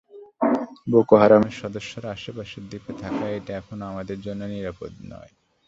Boko হারামের সদস্যরা আশপাশের দ্বীপে থাকায় এটা এখনো আমাদের জন্য নিরাপদ নয়।